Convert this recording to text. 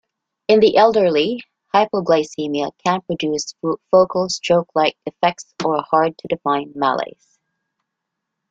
In the elderly, hypoglycemia can produce focal stroke-like effects or a hard-to-define malaise.